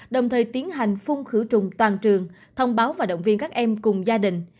đồng thời tiến hành phun khử trùng toàn trường thông báo và động viên các em cùng gia đình